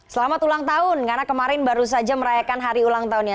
selamat ulang tahun karena kemarin baru saja merayakan hari ulang tahunnya